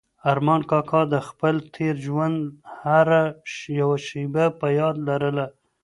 ارمان کاکا د خپل تېر ژوند هره یوه شېبه په یاد لرله.